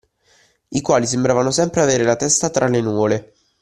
I quali sembravano sempre avere la testa tra le nuvole.